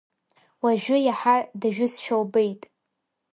Уажәы иаҳа дажәызшәа лбеит.